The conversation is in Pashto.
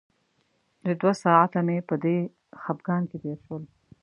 د دوه ساعته مې په دې خپګان کې تېر شول.